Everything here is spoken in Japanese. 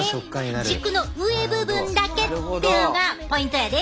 軸の上部分だけってのがポイントやで。